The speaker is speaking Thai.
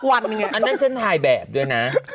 อันนั้นฉันถ่ายแบบด้วยนะ